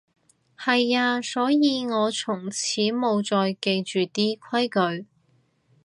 係啊，所以我從此無再記住啲規矩